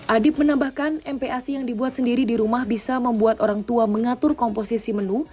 adib menambahkan mpac yang dibuat sendiri di rumah bisa membuat orang tua mengatur komposisi menu